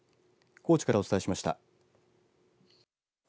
高知からお伝えしました。